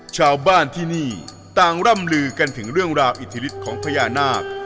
ชาวบ้านที่นี่ต่างร่ำลือกันถึงเรื่องราวอิทธิฤทธิ์ของพญานาค